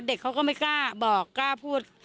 เด็กเขาก็ไม่กล้าบอกกล้าพูด